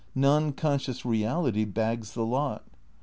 Non conscious resdity bags the lot.